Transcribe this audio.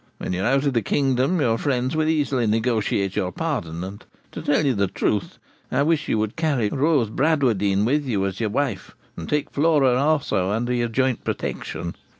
When you are out of the kingdom, your friends will easily negotiate your pardon; and, to tell you the truth, I wish you would carry Rose Bradwardine with you as your wife, and take Flora also under your joint protection.'